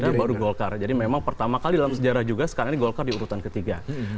karena baru golkar jadi memang pertama kali dalam sejarah juga sekarang ini golkar diurutan ketiga